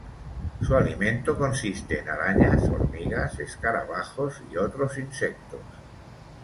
Su alimento consiste en arañas, hormigas, escarabajos y otros insectos.